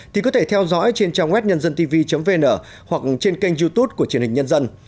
thì có thể theo dõi trên trang web nhân dân tivi vn hoặc trên kênh youtube của truyền hình nhân dân